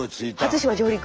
初島上陸。